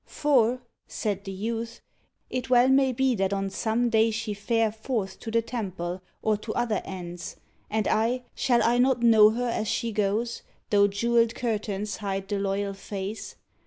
"For," said the youth, "It well may be that on some day she fare Forth to the temple, or to other ends: And I, shall I not know her as she goes, Tho' jewelled curtains hide the loyal face?